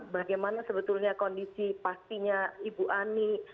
bagaimana sebetulnya kondisi pastinya ibu ani